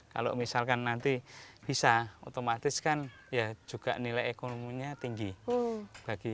kalau misalkan nanti bisa otomatis kan ya juga nilai ekonominya tinggi